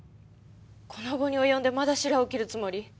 この期に及んでまだ白を切るつもり？